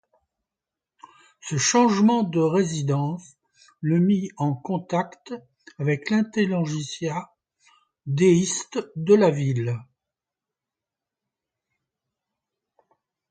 Ce changement de résidence le mit en contact avec l'intelligentsia déiste de la ville.